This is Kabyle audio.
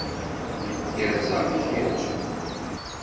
Nekk gerrzeɣ, i kečč?